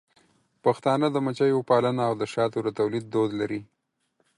پښتانه د مچیو پالنه او د شاتو د تولید دود لري.